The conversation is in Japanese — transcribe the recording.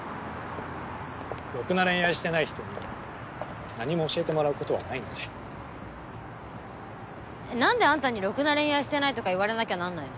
ろくな恋愛してない人に何も教えてもらうことはないのでなんであんたにろくな恋愛してないとか言われなきゃなんないの？